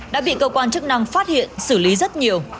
đã bị cơ quan chức năng phát hiện xử lý rất nhiều